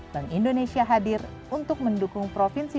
bank indonesia hadir untuk mendukung provinsi